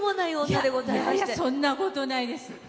いやいや、そんなことないです。